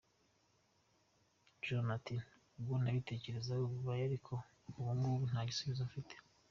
Josee ati: “Ubwo nabitekerezaho bibaye ariko ubungubu nta gisubizo mfite.